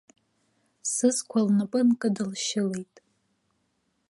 Сызқәа лнапы нкыдылшьылеит.